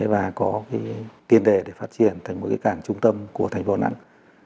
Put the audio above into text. và có cái tiền đề để phát triển thành một cái cảng trung tâm của thành phố nẵng